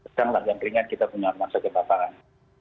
sedang lah yang ringan kita punya rumah sakit lapangan